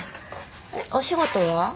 お仕事は？